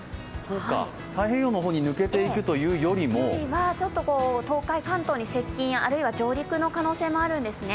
太平洋の方に抜けていくというよりもちょっと東海、関東に接近、あるいは上陸の可能性もあるんですね。